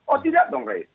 oh tidak dong rey